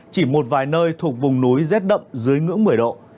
chỉ một vài nơi thuộc vùng núi rét đậm dưới ngưỡng một mươi độ